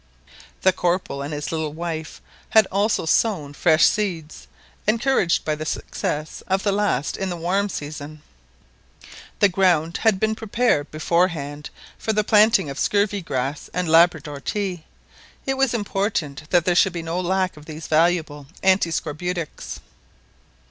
The Corporal and his little wife had also sown fresh seeds, encouraged by the success of the last in the warm season. The ground had been prepared beforehand for the planting of scurvy grass and Labrador Tea. It was important that there should be no lack of these valuable anti scorbutics.